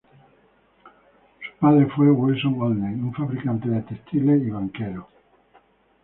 Su padre fue Wilson Olney, un fabricante de textiles y banquero.